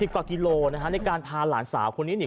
กว่ากิโลนะฮะในการพาหลานสาวคนนี้เนี่ย